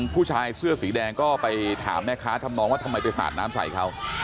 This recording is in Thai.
ผู้ชายเสื้อสีแดงก็ไปถามแม่ค้าทำนองว่าทำไมไปสาดน้ำใส่เขา